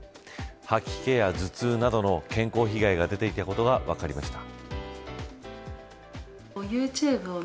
吐き気や頭痛などの健康被害が出ていたことが分かりました。